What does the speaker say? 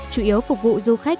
chủ yếu phục vụ du khách